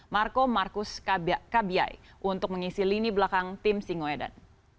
marco marcus kabiayi untuk mengisi lini belakang tim singoedan